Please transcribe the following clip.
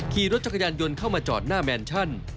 ขี่รถจักรยานยนต์เข้ามาจอดหน้าแมนชั่น